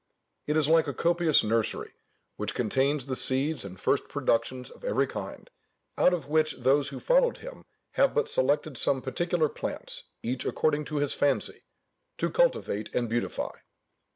It is like a copious nursery, which contains the seeds and first productions of every kind, out of which those who followed him have but selected some particular plants, each according to his fancy, to cultivate and beautify.